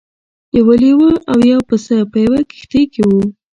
یو لیوه او یو پسه په یوه کښتۍ کې وو.